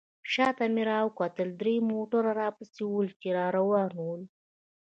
شاته مې راوکتل درې موټرونه راپسې ول، چې را روان ول.